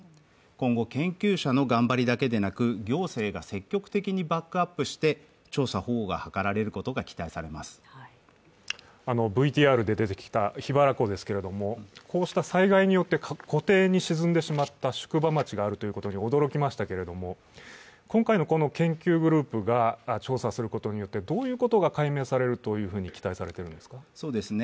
今後、研究者の頑張りだけでなく行政が積極的にバックアップして調査・保護を図ることが期待されますＶＴＲで出てきた桧原湖ですけれども、こうした災害によって湖底に沈んでしまった宿場町があることに驚きましたけれども、今回の研究グループが調査することによってどういうことが解明されると期待されているんですか。